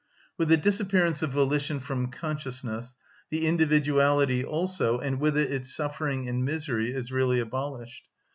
With the disappearance of volition from consciousness, the individuality also, and with it its suffering and misery, is really abolished.